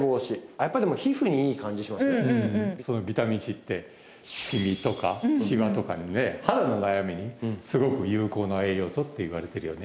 やっぱりでもすごいビタミンＣってしみとかしわとかにね肌の悩みにすごく有効な栄養素っていわれてるよね